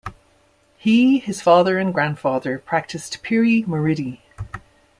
He, his father and grandfather practised piri-muridi.